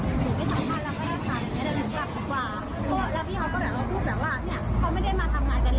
พี่ฮาร์หนะทืนนี่หนูไม่จะคุยหนูไม่สัมภัณฑ์แล้วก็ได้ทำการ